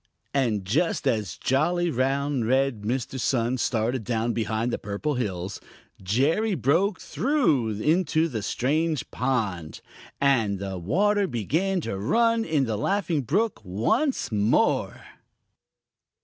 And just as jolly, round, red Mr. Sun started down behind the Purple Hills, Jerry broke through into the strange pond, and the water began to run in the Laughing Brook once more.